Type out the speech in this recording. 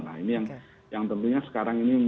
nah ini yang tentunya sekarang ini